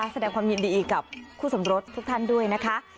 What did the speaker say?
แสดงความยินดีกับคู่สมรสทุกท่านด้วยนะคะ